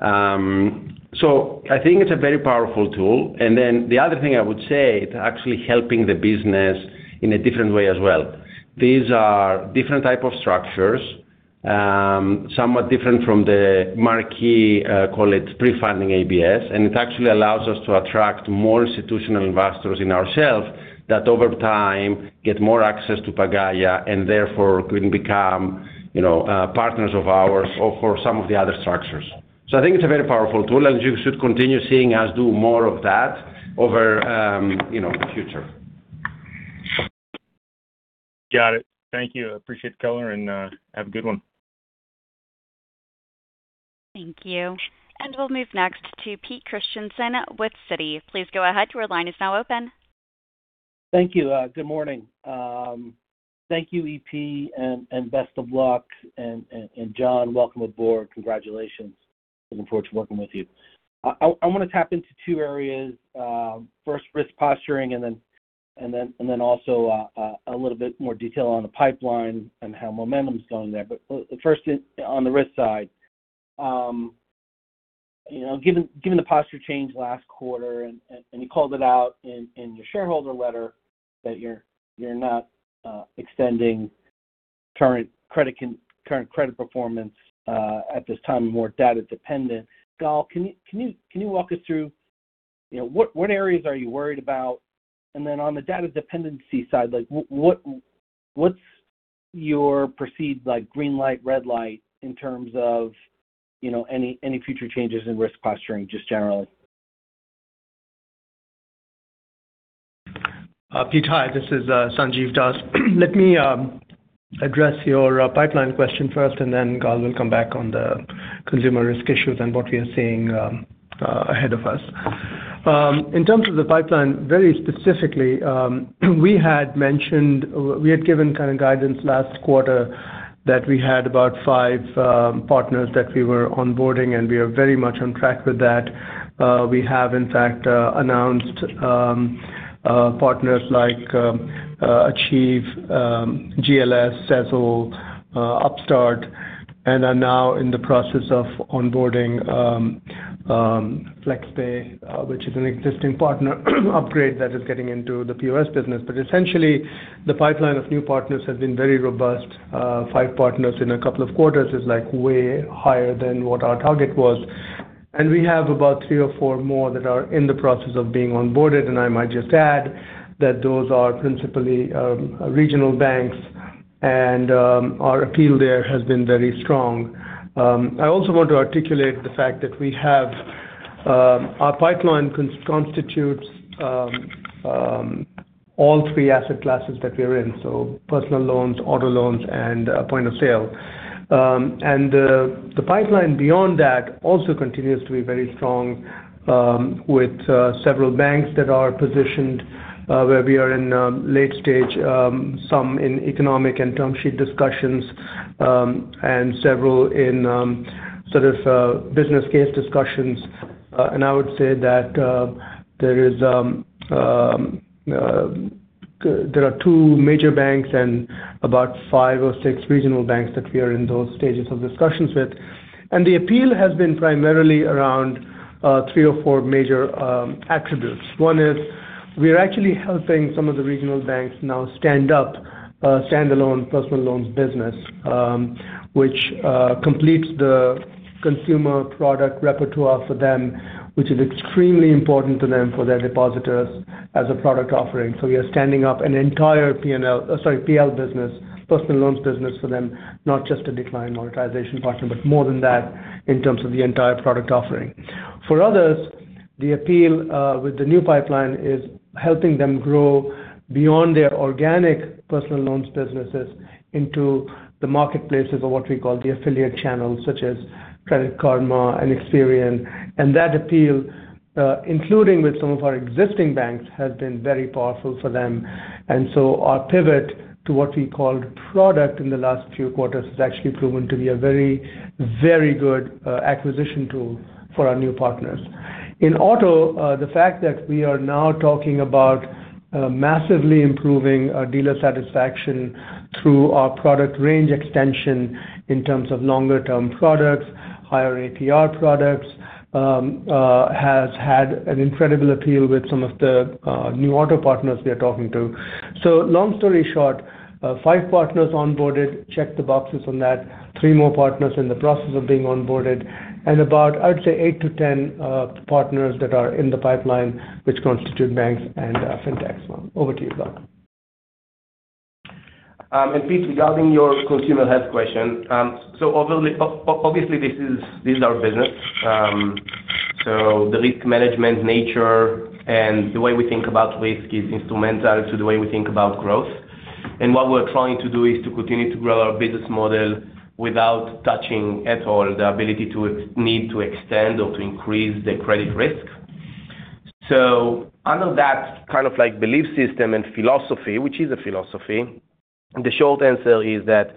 I think it's a very powerful tool. The other thing I would say, it actually helping the business in a different way as well. These are different type of structures, somewhat different from the marquee, call it pre-funding ABS, and it actually allows us to attract more institutional investors in ourselves that over time get more access to Pagaya and therefore can become, you know, partners of ours or for some of the other structures. I think it's a very powerful tool, and you should continue seeing us do more of that over, you know, the future. Got it. Thank you. Appreciate the color, and have a good one. Thank you. We'll move next to Pete Christiansen with Citi. Please go ahead. Your line is now open. Thank you. Good morning. Thank you, EP, and best of luck. Jon, welcome aboard. Congratulations. Looking forward to working with you. I want to tap into two areas. First risk posturing and then also a little bit more detail on the pipeline and how momentum's going there. First on the risk side, you know, given the posture change last quarter and you called it out in your shareholder letter that you're not extending current credit performance at this time more data dependent. Gal, can you walk us through, you know, what areas are you worried about? Then on the data dependency side, like what's your perceived like green light, red light in terms of, you know, any future changes in risk posturing just generally? Pete, hi. This is Sanjiv Das. Let me address your pipeline question first and then Gal will come back on the consumer risk issues and what we are seeing ahead of us. In terms of the pipeline, very specifically, we had mentioned, we had given kind of guidance last quarter that we had about five partners that we were onboarding, and we are very much on track with that. We have in fact announced partners like Achieve, GLS, Sezzle, Upstart, and are now in the process of onboarding Flex Pay, which is an existing partner Upgrade that is getting into the POS business. Essentially, the pipeline of new partners has been very robust. Five partners in a couple of quarters is like way higher than what our target was. We have about three or four more that are in the process of being onboarded, and I might just add that those are principally regional banks and our appeal there has been very strong. I also want to articulate the fact that we have, our pipeline constitutes all three asset classes that we are in, so personal loans, auto loans and point-of-sale. The pipeline beyond that also continues to be very strong with several banks that are positioned where we are in late stage, some in economic and term sheet discussions, and several in sort of business case discussions. I would say that there are two major banks and about five or six regional banks that we are in those stages of discussions with. The appeal has been primarily around three or four major attributes. One is we're actually helping some of the regional banks now stand up a standalone personal loans business, which completes the consumer product repertoire for them, which is extremely important to them for their depositors as a product offering. So we are standing up an entire PNL, sorry, PL business, personal loans business for them, not just a decline monetization partner, but more than that in terms of the entire product offering. For others, the appeal with the new pipeline is helping them grow beyond their organic personal loans businesses into the marketplaces or what we call the affiliate channels such as Credit Karma and Experian. That appeal, including with some of our existing banks, has been very powerful for them. Our pivot to what we call product in the last few quarters has actually proven to be a very, very good acquisition tool for our new partners. In auto, the fact that we are now talking about massively improving our dealer satisfaction through our product range extension in terms of longer-term products, higher APR products, has had an incredible appeal with some of the new auto partners we are talking to. Long story short, five partners onboarded, check the boxes on that. Three more partners in the process of being onboarded. About, I would say, 8-10 partners that are in the pipeline which constitute banks and fintechs. Over to you, Gal. Pete, regarding your consumer health question, obviously this is our business. The risk management nature and the way we think about risk is instrumental to the way we think about growth. What we're trying to do is to continue to grow our business model without touching at all the ability to need to extend or to increase the credit risk. Under that kind of like belief system and philosophy, which is a philosophy, the short answer is that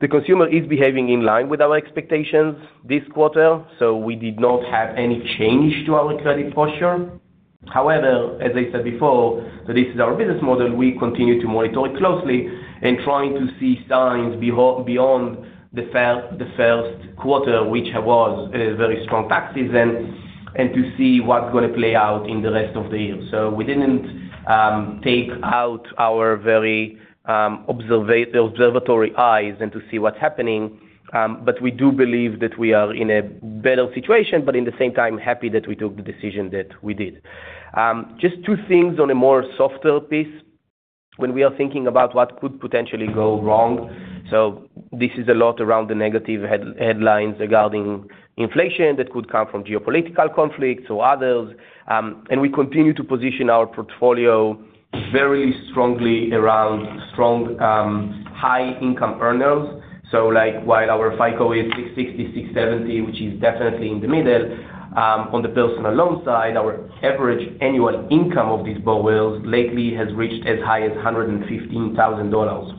the consumer is behaving in line with our expectations this quarter. We did not have any change to our credit posture. However, as I said before, this is our business model. We continue to monitor it closely and trying to see signs beyond the first quarter which was a very strong tax season and to see what's gonna play out in the rest of the year. We didn't take out our very observatory eyes and to see what's happening. We do believe that we are in a better situation but in the same time happy that we took the decision that we did. Just two things on a more softer piece when we are thinking about what could potentially go wrong. This is a lot around the negative headlines regarding inflation that could come from geopolitical conflicts or others. We continue to position our portfolio very strongly around strong, high income earners. While our FICO is 660-670 which is definitely in the middle, on the personal loan side, our average annual income of these borrowers lately has reached as high as $115,000.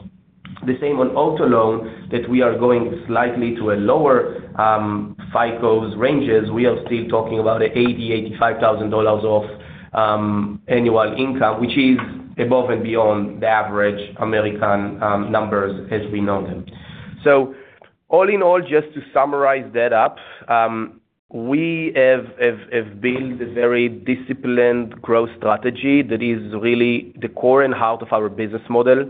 The same on auto loan that we are going slightly to a lower FICO ranges. We are still talking about $80,000-$85,000 of annual income which is above and beyond the average American numbers as we know them. All in all, just to summarize that up, we have built a very disciplined growth strategy that is really the core and heart of our business model,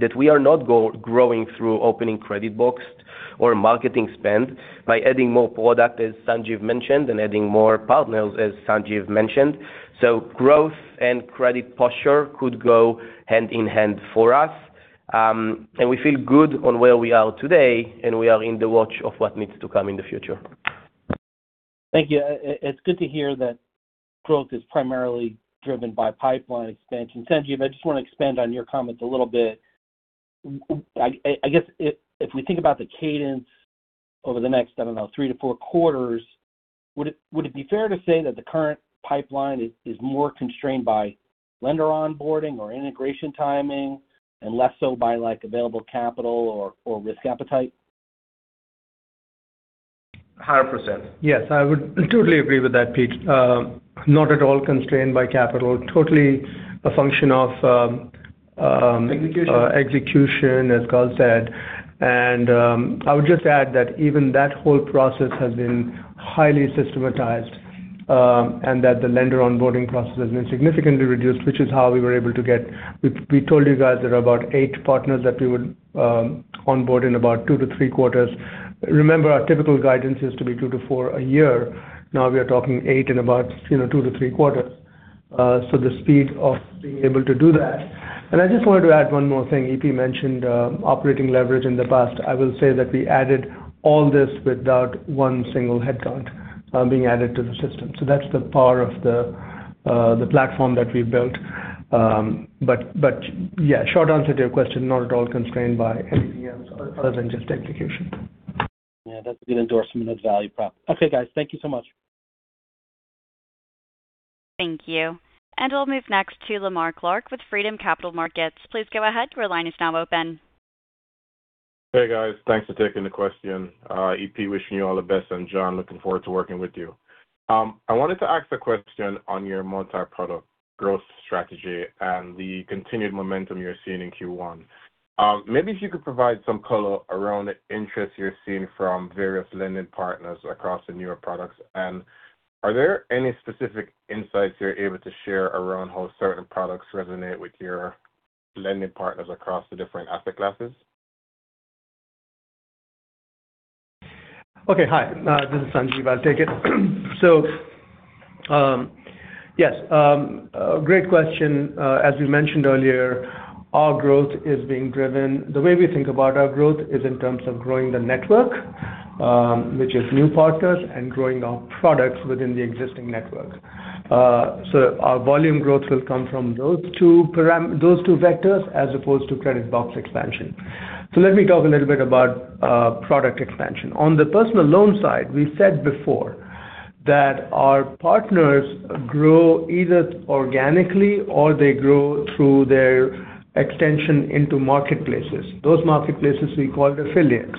that we are not growing through opening credit box or marketing spend by adding more product, as Sanjiv mentioned, and adding more partners, as Sanjiv mentioned. Growth and credit posture could go hand in hand for us. We feel good on where we are today, and we are in the watch of what needs to come in the future. Thank you. It's good to hear that growth is primarily driven by pipeline expansion. Sanjiv, I just wanna expand on your comments a little bit. I guess if we think about the cadence over the next, I don't know, three to four quarters, would it be fair to say that the current pipeline is more constrained by lender onboarding or integration timing and less so by like available capital or risk appetite? 100%. Yes, I would totally agree with that, Pete. Not at all constrained by capital. Totally a function of- Execution. Execution, as Gal said. I would just add that even that whole process has been highly systematized, and that the lender onboarding process has been significantly reduced, which is how we were able to get, we told you guys there are about eight partners that we would onboard in about 2-3 quarters. Remember, our typical guidance used to be two before a year. Now we are talking eight in about, you know, 2-3 quarters. The speed of being able to do that. I just wanted to add one more thing. EP mentioned operating leverage in the past. I will say that we added all this without one single headcount being added to the system. That's the power of the platform that we built. Yeah, short answer to your question, not at all constrained by anything else other than just execution. Yeah, that's a good endorsement of value prop. Okay, guys. Thank you so much. Thank you. We'll move next to Lemar Clarke with Freedom Capital Markets. Please go ahead. Your line is now open. Hey, guys. Thanks for taking the question. EP, wishing you all the best, and Jon, looking forward to working with you. I wanted to ask a question on your multi-product growth strategy and the continued momentum you're seeing in Q1. Maybe if you could provide some color around the interest you're seeing from various lending partners across the newer products. Are there any specific insights you're able to share around how certain products resonate with your lending partners across the different asset classes? Okay. Hi. This is Sanjiv. I'll take it. Yes, a great question. As we mentioned earlier, The way we think about our growth is in terms of growing the network, which is new partners, and growing our products within the existing network. Our volume growth will come from those two vectors as opposed to credit box expansion. Let me talk a little bit about product expansion. On the personal loan side, we said before that our partners grow either organically or they grow through their extension into marketplaces. Those marketplaces we call affiliates,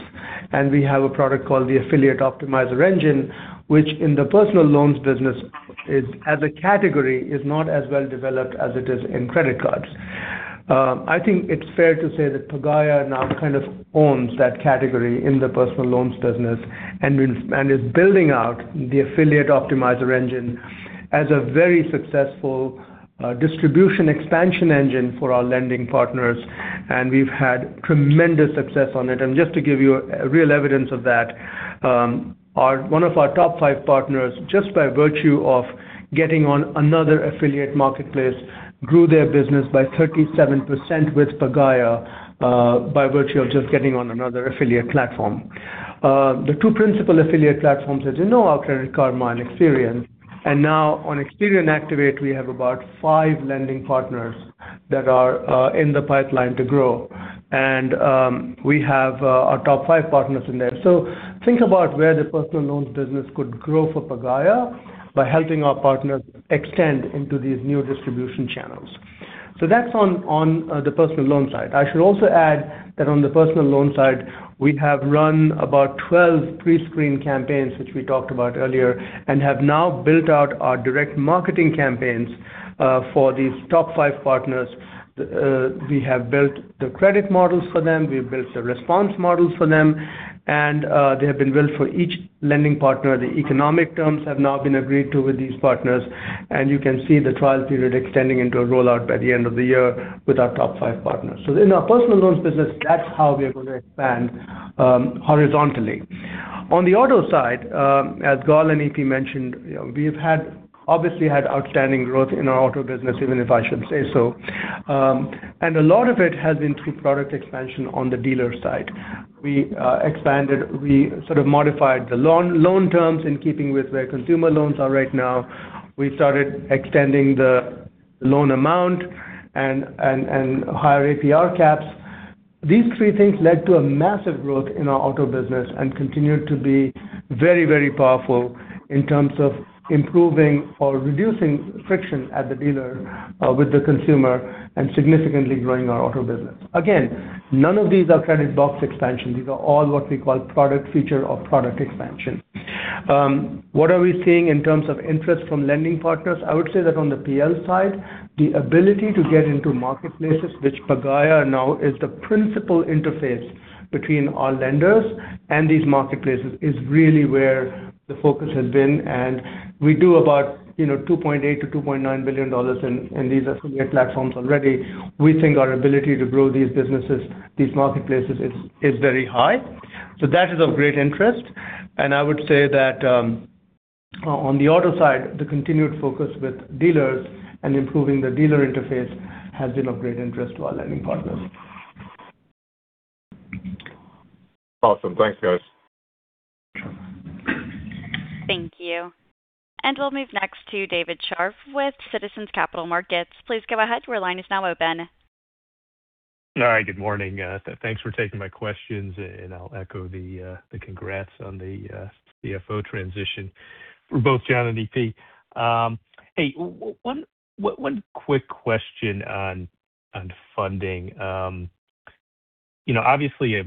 and we have a product called the Affiliate Optimizer Engine, which in the Personal Loans business is, as a category, is not as well developed as it is in credit cards. I think it's fair to say that Pagaya now kind of owns that category in the Personal Loans business and is building out the Affiliate Optimizer Engine as a very successful distribution expansion engine for our lending partners, and we've had tremendous success on it. Just to give you real evidence of that, one of our Top 5 partners, just by virtue of getting on another affiliate marketplace, grew their business by 37% with Pagaya by virtue of just getting on another affiliate platform. The two principal affiliate platforms, as you know, are Credit Karma and Experian. Now on Experian Activate, we have about five lending partners that are in the pipeline to grow. We have our Top 5 partners in there. Think about where the personal loans business could grow for Pagaya by helping our partners extend into these new distribution channels. That's on the personal loan side. I should also add that on the personal loan side, we have run about 12 pre-screened campaigns, which we talked about earlier, and have now built out our direct marketing campaigns for these Top 5 partners. We have built the credit models for them. We've built the response models for them. They have been built for each lending partner. The economic terms have now been agreed to with these partners. You can see the trial period extending into a rollout by the end of the year with our Top 5 partners. In our Personal Loans business, that's how we're gonna expand horizontally. On the Auto side, as Gal and EP mentioned, you know, we've obviously had outstanding growth in our Auto business, even if I should say so. A lot of it has been through product expansion on the dealer side. We expanded, we sort of modified the loan terms in keeping with where consumer loans are right now. We started extending the loan amount and higher APR caps. These three things led to a massive growth in our Auto business and continued to be very, very powerful in terms of improving or reducing friction at the dealer with the consumer and significantly growing our Auto business. Again, none of these are credit box expansion. These are all what we call product feature or product expansion. What are we seeing in terms of interest from lending partners? I would say that on the PL side, the ability to get into marketplaces, which Pagaya now is the principal interface between our lenders and these marketplaces, is really where the focus has been. We do about, you know, $2.8 billion-$2.9 billion in these affiliate platforms already. We think our ability to grow these businesses, these marketplaces is very high. That is of great interest. I would say that on the Auto side, the continued focus with dealers and improving the dealer interface has been of great interest to our lending partners. Awesome. Thanks, guys. Thank you. We'll move next to David Scharf with Citizens Capital Markets. Please go ahead. All right. Good morning. Thanks for taking my questions, and I'll echo the congrats on the CFO transition for both Jon and EP. Hey, one quick question on funding. You know, obviously,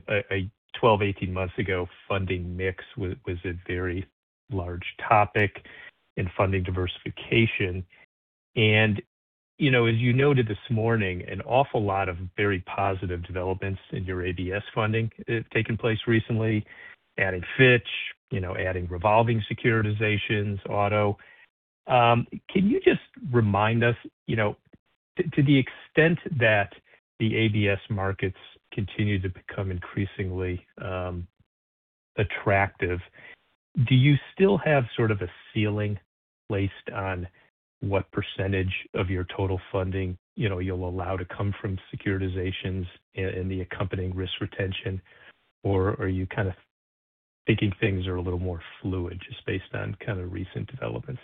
12, 18 months ago, funding mix was a very large topic in funding diversification. You know, as you noted this morning, an awful lot of very positive developments in your ABS funding have taken place recently, adding Fitch, you know, adding revolving securitizations, auto. Can you just remind us, you know, to the extent that the ABS markets continue to become increasingly attractive, do you still have sort of a ceiling placed on what percentage of your total funding, you know, you'll allow to come from securitizations and the accompanying risk retention, or are you kind of thinking things are a little more fluid just based on kind of recent developments?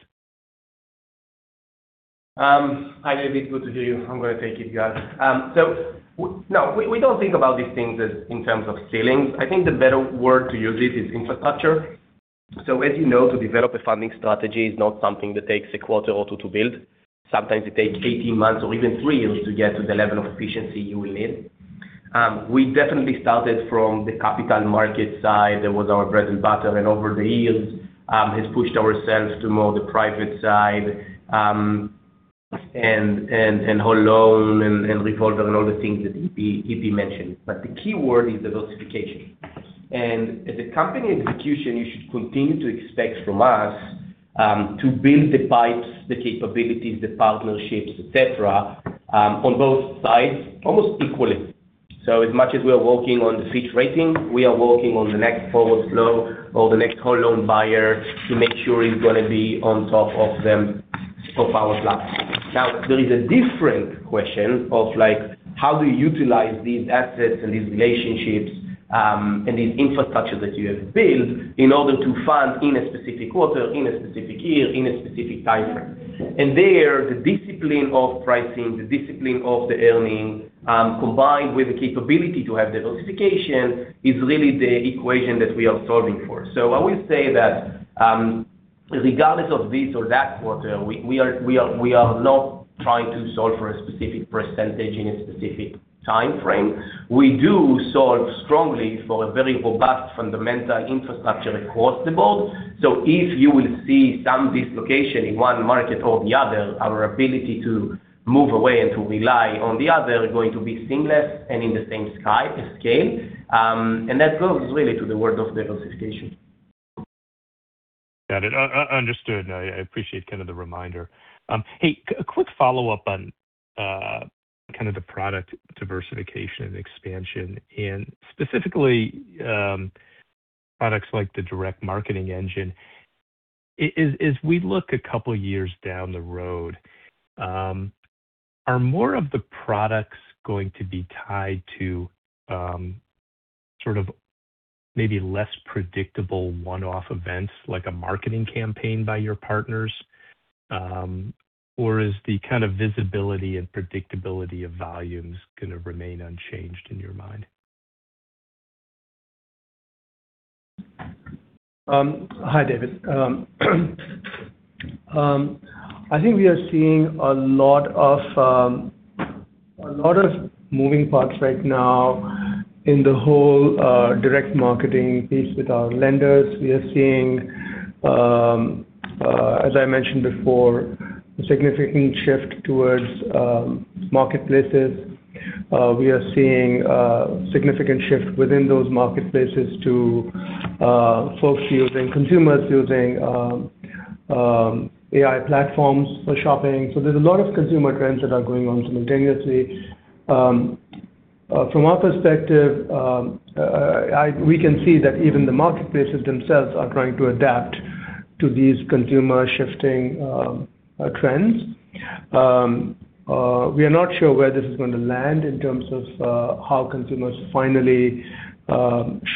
Hi, David. Good to hear you. I'm gonna take it, guys. We don't think about these things as in terms of ceilings. I think the better word to use is infrastructure. As you know, to develop a funding strategy is not something that takes a quarter or two to build. Sometimes it takes 18 months or even three years to get to the level of efficiency you will need. We definitely started from the capital market side. That was our bread and butter, and over the years, has pushed ourselves to more the private side, and whole loan and repo and all the things that EP mentioned. The key word is diversification. As a company execution, you should continue to expect from us to build the pipes, the capabilities, the partnerships, et cetera, on both sides, almost equally. As much as we are working on the Fitch rating, we are working on the next forward flow or the next whole loan buyer to make sure he's going to be on top of them for our platform. Now, there is a different question of, like, how do you utilize these assets and these relationships and these infrastructure that you have built in order to fund in a specific quarter, in a specific year, in a specific time frame. There, the discipline of pricing, the discipline of the earning, combined with the capability to have diversification is really the equation that we are solving for. I would say that, regardless of this or that quarter, we are not trying to solve for a specific percentage in a specific time frame. We do solve strongly for a very robust fundamental infrastructure across the board. If you will see some dislocation in one market or the other, our ability to move away and to rely on the other are going to be seamless and in the same scale. That goes really to the word of diversification. Got it. Understood. I appreciate kind of the reminder. Hey, quick follow-up on kind of the product diversification and expansion and specifically, products like the Direct Marketing Engine. As we look a couple of years down the road, are more of the products going to be tied to sort of maybe less predictable one-off events like a marketing campaign by your partners, or is the kind of visibility and predictability of volumes going to remain unchanged in your mind? Hi, David. I think we are seeing a lot of, a lot of moving parts right now in the whole direct marketing piece with our lenders. We are seeing, as I mentioned before, a significant shift towards marketplaces. We are seeing a significant shift within those marketplaces to folks using, consumers using, AI platforms for shopping. There's a lot of consumer trends that are going on simultaneously. From our perspective, we can see that even the marketplaces themselves are trying to adapt to these consumer shifting trends. We are not sure where this is going to land in terms of how consumers finally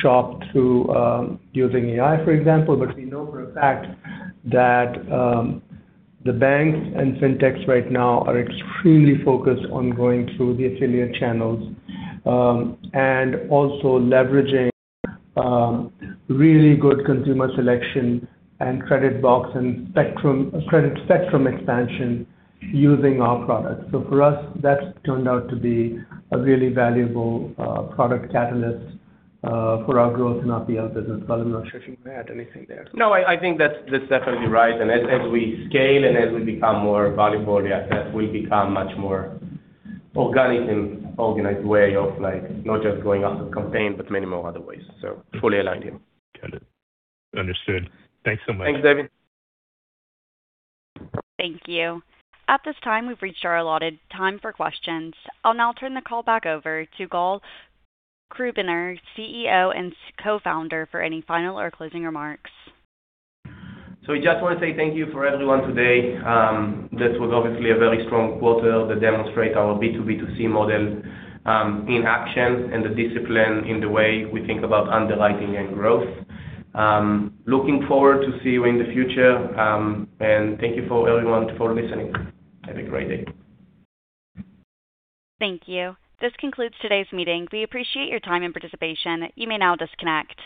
shop through using AI, for example. We know for a fact that the banks and Fintechs right now are extremely focused on going through the affiliate channels and also leveraging really good consumer selection and credit box and credit spectrum expansion using our products. For us, that's turned out to be a really valuable product catalyst for our growth in our PL business. Gal, I'm not sure if you want to add anything there. No, I think that's definitely right. As we scale and as we become more valuable, the assets will become much more organic and organized way of, like, not just going after campaign, but many more other ways. Fully aligned here. Got it. Understood. Thanks so much. Thanks, David. Thank you. At this time, we've reached our allotted time for questions. I'll now turn the call back over to Gal Krubiner, CEO and Co-founder, for any final or closing remarks. We just wanna say thank you for everyone today. This was obviously a very strong quarter that demonstrate our B2B2C model in action and the discipline in the way we think about underwriting and growth. Looking forward to see you in the future. Thank you for everyone for listening. Have a great day. Thank you. This concludes today's meeting. We appreciate your time and participation. You may now disconnect.